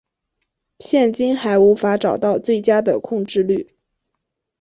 现今还无法找到最佳的控制律。